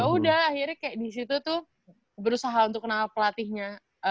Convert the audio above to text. udah akhirnya kayak di situ tuh berusaha untuk kenal pelatihnya